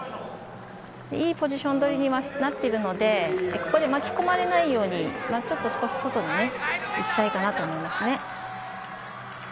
いいポジション取りにはなっているので、ここで巻き込まれないように、ちょっと少し外に行きたいかなと思います。